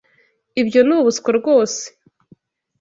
Ibyo ni ubuswa rwose!